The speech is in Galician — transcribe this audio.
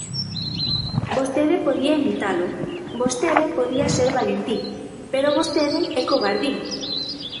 Vostede podía imitalo, vostede podía ser Valentín, pero vostede é covardín.